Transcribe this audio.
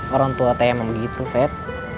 orang tua teh emang begitu feb